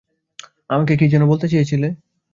আমাকে কী যেন বলতে চেয়েছিলে!